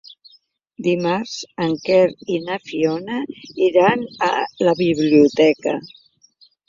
Dimarts en Quer i na Fiona iran a la biblioteca.